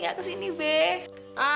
nggak ada cerita maksudnya apa